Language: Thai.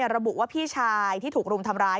ระบุว่าพี่ชายที่ถูกรุมทำร้าย